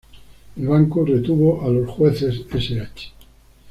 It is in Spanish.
El banco retuvo a los jueces Sh.